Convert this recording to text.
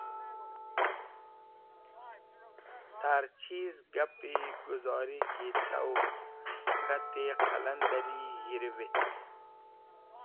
Ta’r chiz gapi guzor ki taw k̃hati qalandari g̃hirũvetk.